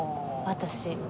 私。